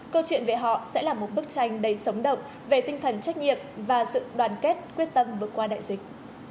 câu chuyện về họ sẽ là một bức tranh đầy sống động về tinh thần trách nhiệm và sự đoàn kết quyết tâm vượt qua đại dịch